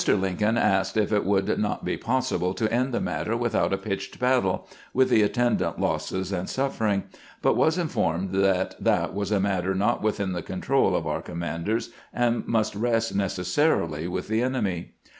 Lincoln asked if it would not be possible to end the matter without a pitched battle, with the attendant losses and suffering; but was in formed that that was a matter not within the control 424 CAMPAIGNING WITH GRANT of oiir commanders, and must rest necessarily with the enemy.